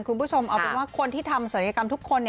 คุณผู้ชมเอาเป็นว่าคนที่ทำศัลยกรรมทุกคน